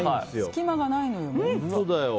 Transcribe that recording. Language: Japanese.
隙間がないのよね。